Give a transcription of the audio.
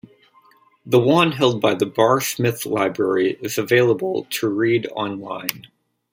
The one held by the Barr Smith Library is available to read online.